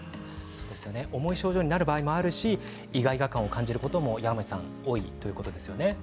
重い症状になる場合もあるしいがいがを感じることもあるということですね。